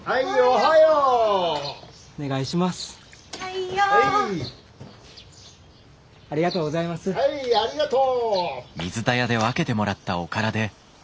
はいありがとう。